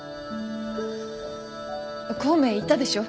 孔明言ったでしょ？